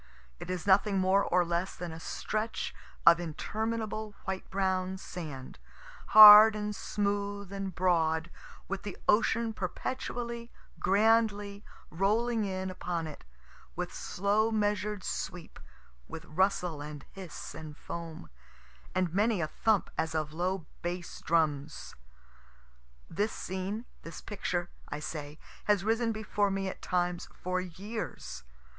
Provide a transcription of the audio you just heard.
It is nothing more or less than a stretch of interminable white brown sand, hard and smooth and broad, with the ocean perpetually, grandly, rolling in upon it, with slow measured sweep, with rustle and hiss and foam, and many a thump as of low bass drums. This scene, this picture, I say, has risen before me at times for years.